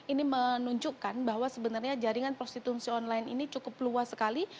ini menunjukkan bahwa sebenarnya jaringan prostitusi online ini cukup luas sekali